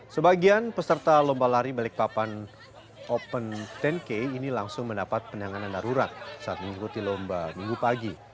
sebagian peserta lomba lari balikpapan open sepuluh k ini langsung mendapat penanganan darurat saat mengikuti lomba minggu pagi